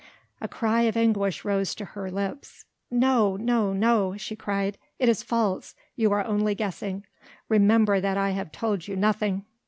A cry of anguish rose to her lips. "No, no, no," she cried, "it is false ... you are only guessing ... remember that I have told you nothing."